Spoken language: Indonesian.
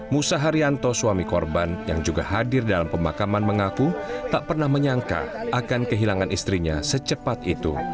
musa haryanto suami korban yang juga hadir dalam pemakaman mengaku tak pernah menyangka akan kehilangan istrinya secepat itu